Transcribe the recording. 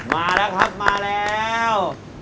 มาแล้วครับมาแล้ว